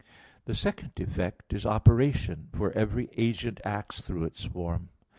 The second effect is operation, for every agent acts through its form.